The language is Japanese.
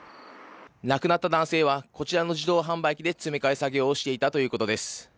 亡くなった男性は、こちらの自動販売機で詰め替え作業をしていたということです。